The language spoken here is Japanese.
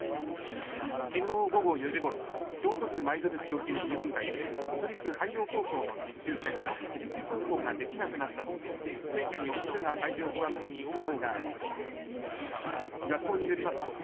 昨日午後４時ごろ京都府舞鶴市沖の日本海で府立海洋高校の実習船が自力航行ができなくなったと福井県の敦賀海上保安部に通報がありました。